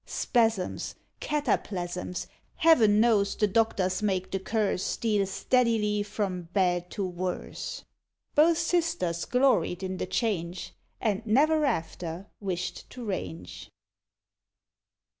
Spasms! Cataplasms! Heaven knows, the doctors make the curse Steal steadily from bad to worse. Both sisters gloried in the change, And never after wished to range.